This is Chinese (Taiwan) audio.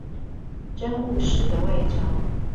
真務實的外交